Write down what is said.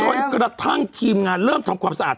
จนกระทั่งทีมงานเริ่มทำความสะอาด